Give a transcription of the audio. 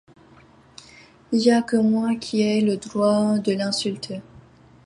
y'a que moi qui aie le droit de l'insulter.